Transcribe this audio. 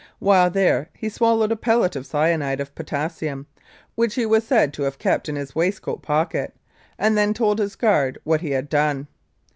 While there he swallowed a pellet of cyanide of potassium, which he was said to have kept in 'his waistcoat pocket, and then told his guard what he had done.